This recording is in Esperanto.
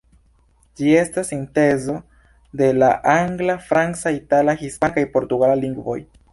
Ĝi estas sintezo de la angla, franca, itala, hispana kaj portugala lingvoj.